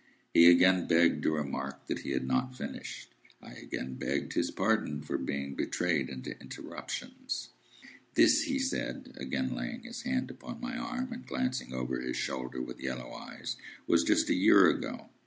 He again begged to remark that he had not finished. I again begged his pardon for being betrayed into interruptions. "This," he said, again laying his hand upon my arm, and glancing over his shoulder with hollow eyes, "was just a year ago.